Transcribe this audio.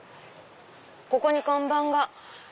ここに看板が。